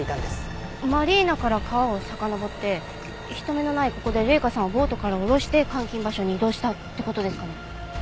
マリーナから川をさかのぼって人目のないここで麗華さんをボートから下ろして監禁場所に移動したって事ですかね。